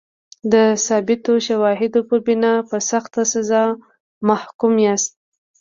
د ثابتو شواهدو پر بنا په سخته سزا محکوم یاست.